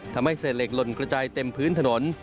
ทำให้เศษเหล็กหล่นกระจายเต็มพื้นถนน